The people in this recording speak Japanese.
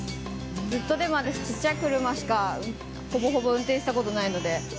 ずっと私小っちゃい車しかほぼほぼ運転したことないので。